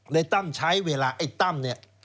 ตั้มใช้เวลาไอ้ตั้มเนี่ย